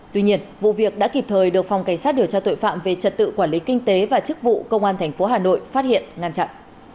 tuy nhiên vụ việc đã kịp thời được phòng cảnh sát điều tra tội phạm về trật tự quản lý kinh tế và chức vụ công an tp hà nội phát hiện ngăn chặn